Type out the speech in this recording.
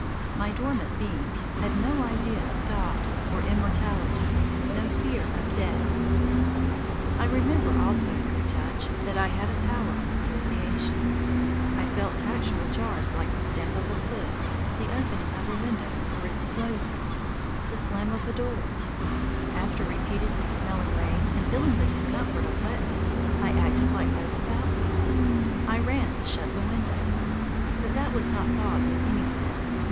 My dormant being had no idea of God or immortality, no fear of death. I remember, also through touch, that I had a power of association. I felt tactual jars like the stamp of a foot, the opening of a window or its closing, the slam of a door. After repeatedly smelling rain and feeling the discomfort of wetness, I acted like those about me: I ran to shut the window. But that was not thought in any sense.